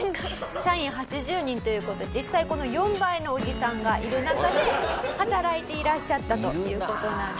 社員８０人という事で実際はこの４倍のおじさんがいる中で働いていらっしゃったという事なんです。